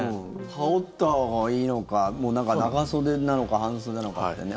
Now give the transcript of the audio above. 羽織ったほうがいいのか長袖なのか半袖なのかってね。